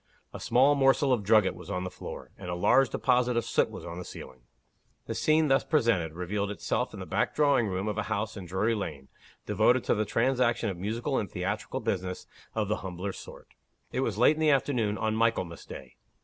A small morsel of drugget was on the floor; and a large deposit of soot was on the ceiling. The scene thus presented, revealed itself in the back drawing room of a house in Drury Lane, devoted to the transaction of musical and theatrical business of the humbler sort. It was late in the afternoon, on Michaelmas day.